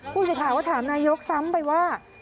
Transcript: ผู้สิทธาวะถามนายยกซ้ำไปว่า